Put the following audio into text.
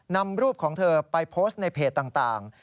นำรูปของเธอไปโพสต์ในเพจต่าง